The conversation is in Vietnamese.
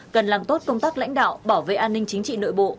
cần làm tốt công tác lãnh đạo bảo vệ an ninh chính trị nội bộ